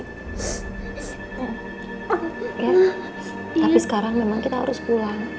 bisa ketemu om dokter setiap hari ya tapi sekarang memang kita harus pulang